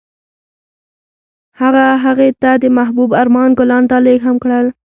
هغه هغې ته د محبوب آرمان ګلان ډالۍ هم کړل.